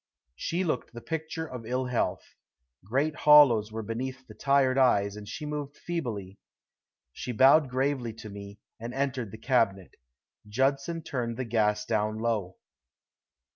She looked the picture of ill health. Great hollows were beneath the tired eyes, and she moved feebly. She bowed gravely to me, and entered the cabinet. Judson turned the gas down low.